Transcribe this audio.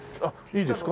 いいですか？